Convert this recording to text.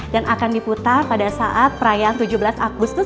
akan diputar pada saat perayaan tujuh belas agustus